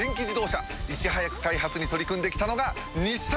いち早く開発に取り組んで来たのが日産！